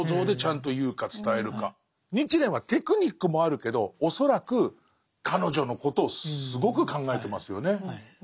日蓮はテクニックもあるけど恐らく彼女のことをすごく考えてますよね。